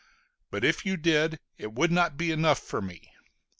But if you did, it would not be enough for me.